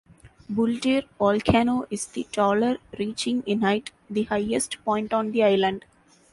Buldir Volcano is the taller, reaching in height, the highest point on the island.